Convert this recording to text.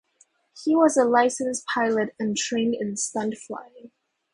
He was a licensed pilot and trained in stunt flying.